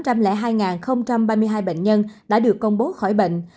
trong đó có một tám trăm linh hai ba mươi hai bệnh nhân đã được công bố khỏi bệnh